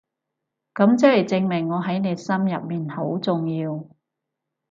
噉即係證明我喺你心入面好重要